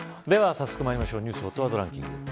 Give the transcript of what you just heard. では早速まいりましょうニュースＨＯＴワードランキング